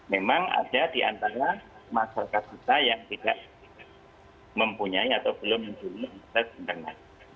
memang ada di antara masyarakat kita yang tidak mempunyai atau belum menjual sukses